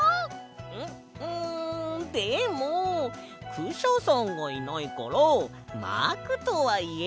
んっんでもクシャさんがいないからマークとはいえないよ。